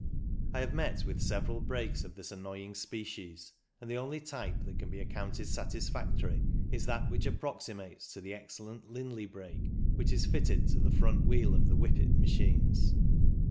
I have met with several brakes of this annoying species, and the only type that can be accounted satisfactory is that which approxi mates to the excellent Linley brake which is fitted to the front wheel of the Whippet machines.